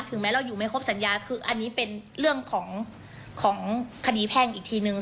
แม้เราอยู่ไม่ครบสัญญาคืออันนี้เป็นเรื่องของของคดีแพ่งอีกทีนึง